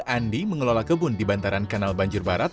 andi mengelola kebun di bantaran kanal banjir barat